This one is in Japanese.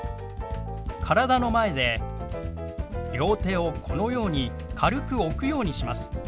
体の前で両手をこのように軽く置くようにします。